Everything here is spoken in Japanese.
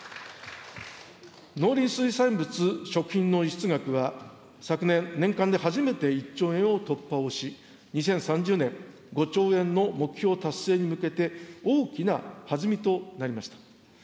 農林水産物・食品の輸出額は、昨年、年間で初めて１兆円を突破をし、２０３０年５兆円の目標達成に向けて、大きな弾みとなりました。